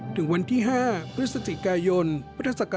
ถึงวันที่๕พฤศจิกายนพศ๒๔๙๙